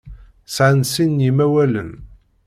Sɛan sin n yimawalen.